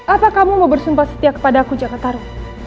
apa kamu mau bersumpah setia kepada aku jakartaro